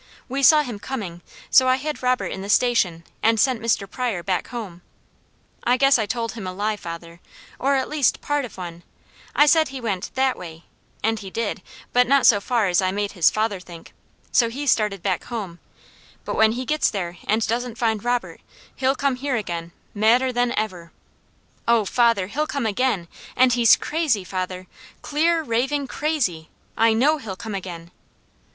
We saw him coming, so I hid Robert in the Station and sent Mr. Pryor back home I guess I told him a lie, father, or at least part of one, I said he went 'that way,' and he did, but not so far as I made his father think; so he started back home, but when he gets there and doesn't find Robert he'll come here again, madder than ever. Oh father, he'll come again, and he's crazy, father! Clear, raving crazy! I know he'll come again!"